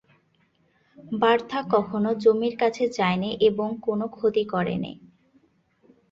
Bertha কখনো জমির কাছে যায়নি এবং কোনো ক্ষতি করেনি।